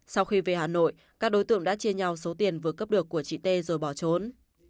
sau khi về hà nội các đối tượng đã chia nhau số tiền vừa cướp được của chị t rồi bỏ trốn